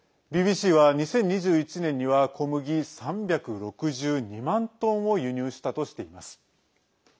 ＢＢＣは２０２１年には小麦３６２万トンを輸入したとしています。